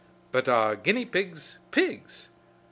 But are guinea pigs, pigs?